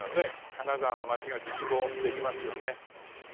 金沢の街が一望できますよね。